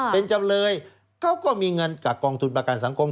เป็นจำเลยเขาก็มีเงินกับกองทุนประกันสังคม